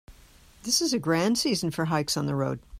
This is a grand season for hikes on the road.